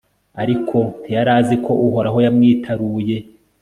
ariko ntiyari azi ko uhoraho yamwitaruye